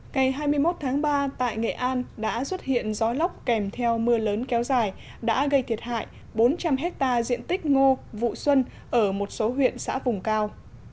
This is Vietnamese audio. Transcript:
ngày hai mươi một tháng ba tại nghệ an đã xuất hiện gió lốc kèm theo mưa lớn kéo dài đã gây thiệt hại bốn trăm linh hectare diện tích ngô vụ xuân ở một số huyện xã vùng cao